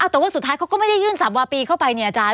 แต่ว่าสุดท้ายเขาก็ไม่ได้ยื่นสับวาปีเข้าไปเนี่ยอาจารย